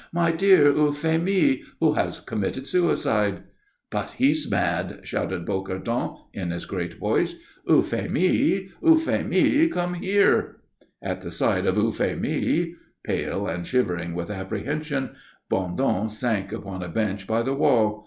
My dear Euphémie, who has committed suicide." "But he's mad!" shouted Bocardon, in his great voice. "Euphémie! Euphémie! Come here!" At the sight of Euphémie, pale and shivering with apprehension, Bondon sank upon a bench by the wall.